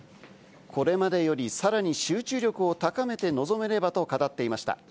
これまでより、さらに集中力を高めて臨めればと語っていました。